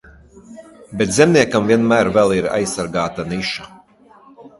Bet zemniekam vienmēr vēl ir aizsargāta niša.